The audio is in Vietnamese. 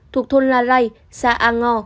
thuộc thôn la lai xã a ngo